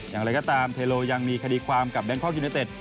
อย่างไรก็ตามเทโลยังมีคดีความกับแบงคอกยูเนเต็ด